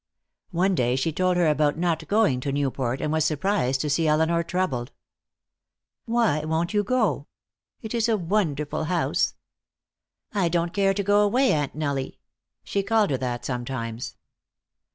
One day she told her about not going to Newport, and was surprised to see Elinor troubled. "Why won't you go? It is a wonderful house." "I don't care to go away, Aunt Nellie." She called her that sometimes.